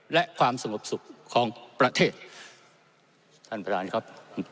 และความสงบสุขของประเทศท่านประธานครับ